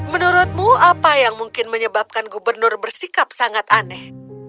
menurutmu apa yang mungkin menyebabkan gubernur bersikap sangat aneh